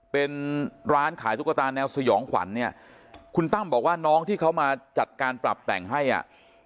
เป็นร้านขายตุ๊กตาแนวสยองขวัญเนี่ยคุณตั้มบอกว่าน้องที่เขามาจัดการปรับแต่งให้อ่ะ